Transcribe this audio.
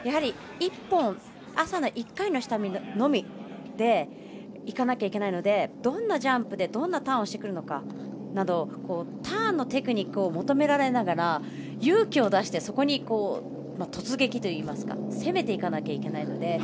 朝の１回の下見のみで行かなきゃいけないのでどんなジャンプでどんなターンをするかなどターンのテクニックを求められながら勇気を出して突撃といいますか攻めていかなきゃいけないので。